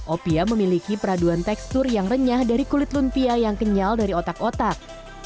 opia memiliki peraduan tekstur yang renyah dari kulit lumpia yang kenyal dari otak otak